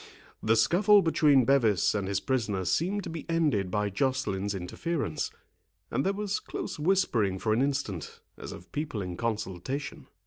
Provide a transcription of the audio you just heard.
The scuffle between Bevis and his prisoner seemed to be ended by Joceline's interference, and there was close whispering for an instant, as of people in consultation.